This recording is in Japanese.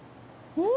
うん！